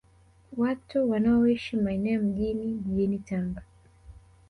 Watu wanaoishi maeneo ya Mjini jijini Tanga